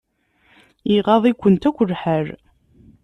Iɣaḍ-ikunt akk lḥal.